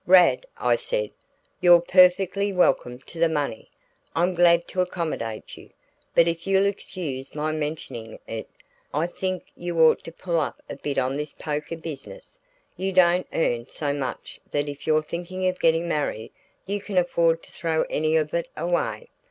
"Rad," I said, "you're perfectly welcome to the money; I'm glad to accommodate you, but if you'll excuse my mentioning it, I think you ought to pull up a bit on this poker business. You don't earn so much that if you're thinking of getting married you can afford to throw any of it away.